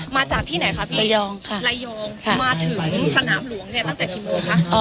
มาจากที่ไหนคะพี่ระยองค่ะระยองมาถึงสนามหลวงเนี่ยตั้งแต่กี่โมงคะ